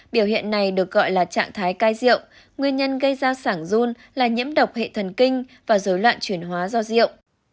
biểu hiện này được gọi là trạng thái cai rượu nguyên nhân gây ra sản run là nhiễm độc hệ thần kinh và dối loạn chuyển hóa do rượu